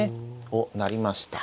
おっ成りました。